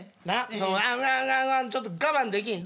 アグアグちょっと我慢できん？